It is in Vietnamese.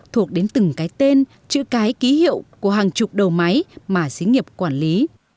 thuộc đến từng cái tên chữ cái ký hiệu của hàng chục đầu máy mà xí nghiệp quản lý